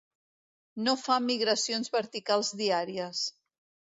No fa migracions verticals diàries.